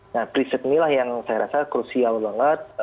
nah prinsip inilah yang saya rasa krusial banget